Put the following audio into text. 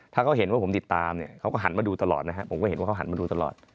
ถ้าเขาเห็นว่าผมติดตามเนี่ยเขาก็หันมาดูตลอดนะครับผมก็เห็นว่าเขาหันมาดูตลอด